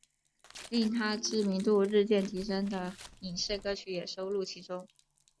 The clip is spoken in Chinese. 令她知名度日渐提升的影视歌曲也收录其中。